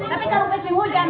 tapi kalau berhubungan